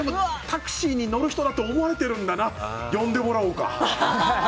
タクシーに乗る人だと思われてるんだな呼んでもらおうか。